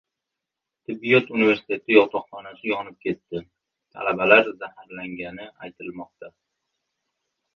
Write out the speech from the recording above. Tibbiyot universiteti yotoqxonasi yonib ketdi. Talabalar zaharlangani aytilmoqda